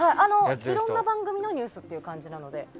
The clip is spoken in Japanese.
いろんな番組のニュースって感じなので。